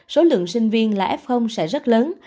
số lượng sinh viên là f sẽ rất lớn